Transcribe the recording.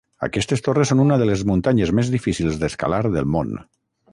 Aquestes torres són una de les muntanyes més difícils d'escalar del món.